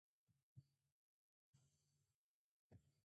アサイーボウルから見る！諸行無常